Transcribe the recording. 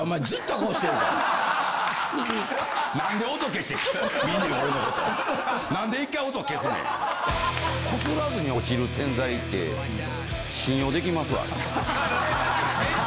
こすらずに落ちる洗剤って信用できます？